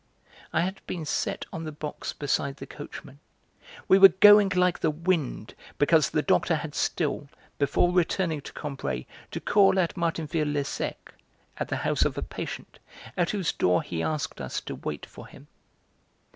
I had been set on the box beside the coachman, we were going like the wind because the Doctor had still, before returning to Combray, to call at Martinville le Sec, at the house of a patient, at whose door he asked us to wait for him.